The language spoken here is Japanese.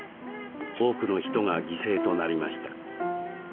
多くの人が犠牲となりました。